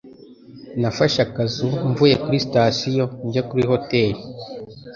Nafashe akazu mvuye kuri sitasiyo njya kuri hoteri.